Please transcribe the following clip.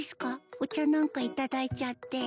お茶なんかいただいちゃって。